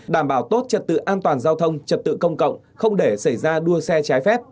đảm bảo tốt trật tự an toàn giao thông trật tự công cộng không để xảy ra đua xe trái phép